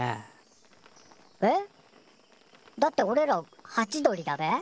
えっ？だっておれらハチドリだべ？